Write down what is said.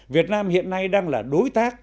việt nam hiện nay đang là đối tác